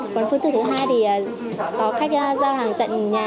còn phương thức thứ hai thì có khách giao hàng tận nhà